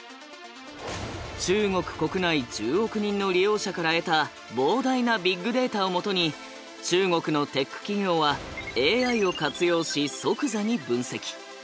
中国国内１０億人の利用者から得た膨大なビッグデータをもとに中国のテック企業はＡＩを活用し即座に分析。